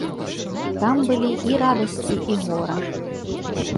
Там былі і радасці і гора.